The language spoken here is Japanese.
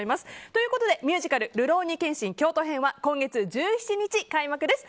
ということでミュージカル「るろうに剣心京都編」は今月１７日開幕です。